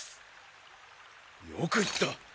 よく言った。